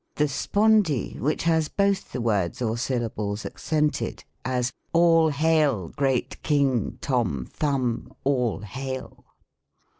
The Spondee, which has both the words or sylla bles accented : as, " all hail, great king, Tom Thumb, all hail